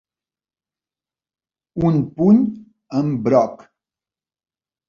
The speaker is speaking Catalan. Un puny amb broc.